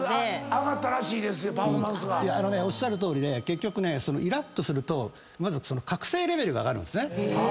おっしゃるとおりで結局ねイラッとするとまず覚醒レベルが上がるんですね。